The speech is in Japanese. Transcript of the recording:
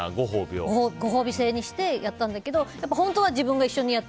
ご褒美制にしてやったんだけど本当は自分も一緒になって